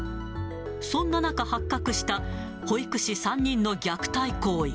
そんな中発覚した、保育士３人の虐待行為。